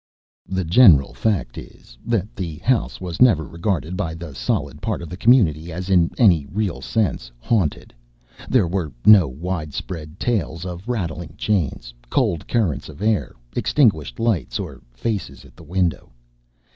The general fact is, that the house was never regarded by the solid part of the community as in any real sense "haunted." There were no widespread tales of rattling chains, cold currents of air, extinguished lights, or faces at the window.